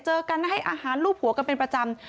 เจอกันให้อาหารรูปหัวกันเป็นประจำ